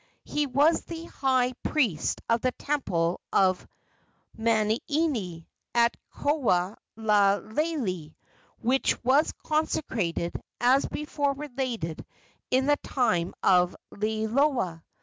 He was the high priest of the temple of Manini, at Koholalele, which was consecrated, as before related, in the time of Liloa.